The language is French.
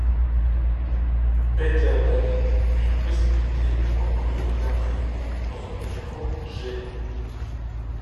Peter David eut la possibilité de conclure l'intrigue dans un numéro géant.